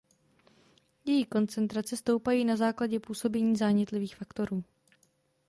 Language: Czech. Její koncentrace stoupají na základě působení zánětlivých faktorů.